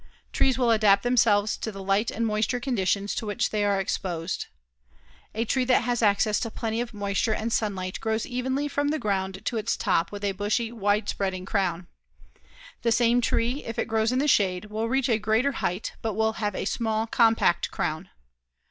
Trees will adapt themselves to the light and moisture conditions to which they are exposed. A tree that has access to plenty of moisture and sunlight grows evenly from the ground to its top with a bushy, wide spreading crown. The same tree, if it grows in the shade, will reach a greater height but will have a small compact crown.